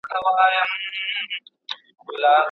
داسي د نېستۍ څپېړو شین او زمولولی یم